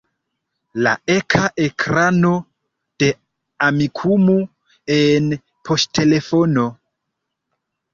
La eka ekrano de Amikumu en poŝtelefono.